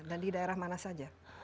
dan di daerah mana saja